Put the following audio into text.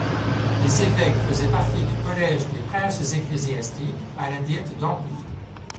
Les évêques faisaient partie du collège des princes ecclésiastiques à la Diète d'Empire.